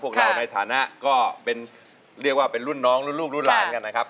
พวกเราในฐานะก็เป็นเรียกว่าเป็นรุ่นน้องรุ่นลูกรุ่นหลานกันนะครับ